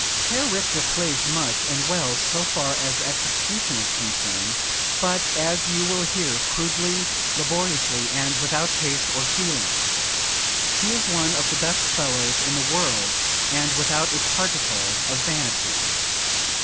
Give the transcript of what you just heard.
"Herr Richter plays much and well so far as execution is concerned, but as you will hear crudely, laboriously and without taste or feeling; he is one of the best fellows in the world, and without a particle of vanity.